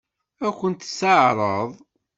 Ad kent-tt-teɛṛeḍ?